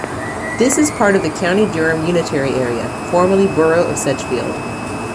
This is part of the County Durham unitary area, formally Borough of Sedgefield.